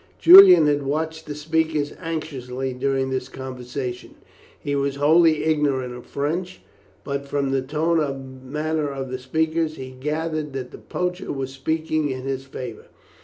Julian had watched the speakers anxiously during this conversation. He was wholly ignorant of French, but from the tone and manner of the speakers, he gathered that the poacher was speaking in his favour.